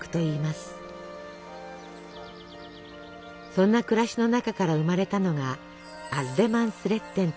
そんな暮らしの中から生まれたのが「アッレマンスレッテン」という考え方。